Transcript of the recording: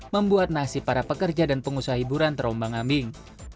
membuat nasib para pekerja dan pengusaha hiburan terombang ambing